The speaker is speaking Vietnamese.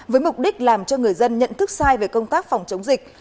với mục đích làm cho người dân nhận thức sai về công tác phòng chống dịch